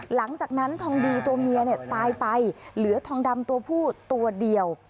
หลังจากนั้นทองดีตัวเมียเนี่ยตายไปเหลือทองดำตัวผู้ตัวเดียว